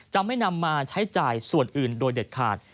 จะไม่นำมาใช้จ่ายส่วนอื่นโดยเด็ดขาด